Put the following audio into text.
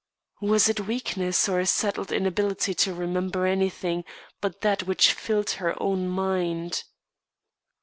Was it weakness, or a settled inability to remember anything but that which filled her own mind?